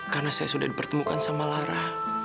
karena saya sudah dipertemukan sama lara